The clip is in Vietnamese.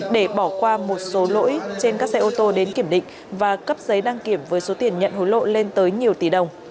để bỏ qua một số lỗi trên các xe ô tô đến kiểm định và cấp giấy đăng kiểm với số tiền nhận hối lộ lên tới nhiều tỷ đồng